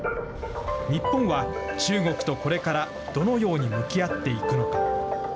日本は中国とこれから、どのように向き合っていくのか。